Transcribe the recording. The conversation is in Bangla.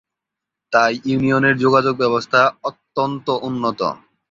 তাই ইউনিয়নের যোগাযোগ ব্যবস্থা অত্যন্ত উন্নত।